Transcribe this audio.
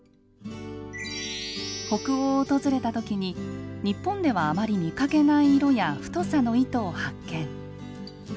北欧を訪れたときに日本ではあまり見かけない色や太さの糸を発見。